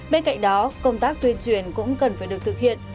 bên cạnh đó công tác tuyên truyền cũng cần phải được thực hiện